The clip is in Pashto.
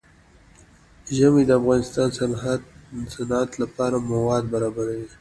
ژمی د افغانستان د صنعت لپاره مواد برابروي.